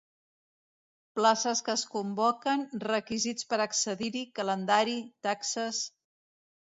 Places que es convoquen, requisits per accedir-hi, calendari, taxes...